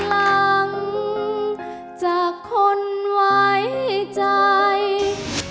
ร้องได้ให้ร้าง